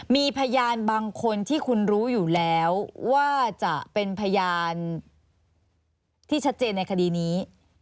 มีพยานบางคนที่คุณรู้อยู่แล้วว่าจะเป็นพยานที่ชัดเจนในคดีนี้